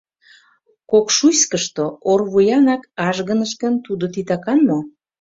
Кокшуйскышто орвуянак ажгыныш гын, тудо титакан мо?